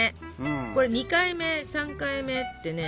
これ２回目３回目ってね